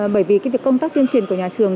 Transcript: bởi vì công tác tuyên truyền của nhà trường